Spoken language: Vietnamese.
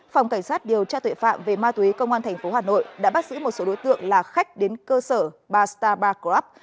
phòng cảnh sát điều tra tuệ phạm về ma túy công an tp hà nội đã bắt giữ một số đối tượng là khách đến cơ sở ba star bar grab